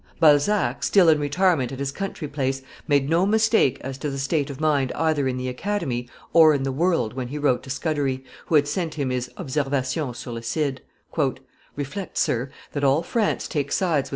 Balzac, still in retirement at his country place, made no mistake as to the state of mind either in the Academy or in the world when he wrote to Scudery, who had sent him his Observations sur le Cid, "Reflect, sir, that all France takes sides with M.